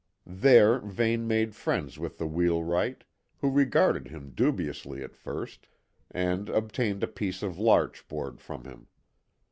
There Vane made friends with the wheelwright, who regarded him dubiously at first, and obtained a piece of larch board from him.